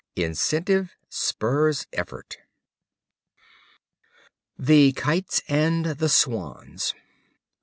Incentive spurs effort. The Kites and the Swans.